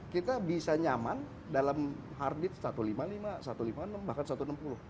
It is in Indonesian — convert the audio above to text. kita bisa nyaman dalam heartbeat satu lima lima satu lima enam bahkan satu enam puluh